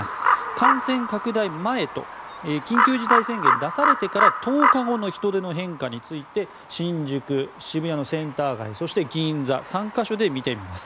感染拡大前と緊急事態宣言が出されてから１０日後の人出の変化について新宿、渋谷のセンター街そして銀座３か所で見てみます。